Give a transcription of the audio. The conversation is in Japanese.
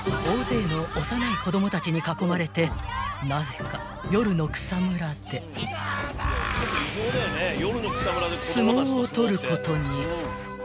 ［大勢の幼い子供たちに囲まれてなぜか夜の草むらで相撲をとることに］